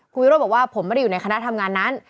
คุณวิโรธบอกว่าผมไม่ได้อยู่ในคณะทำงานนั้น